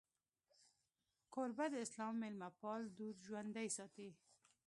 کوربه د اسلام میلمهپال دود ژوندی ساتي.